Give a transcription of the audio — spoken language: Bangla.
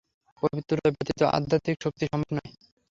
পবিত্রতা ব্যতীত আধ্যাত্মিক শক্তি সম্ভব নয়।